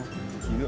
mình nhờ bạn tí thôi